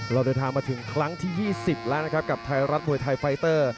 เราเดินทางมาถึงครั้งที่๒๐แล้วนะครับกับไทยรัฐมวยไทยไฟเตอร์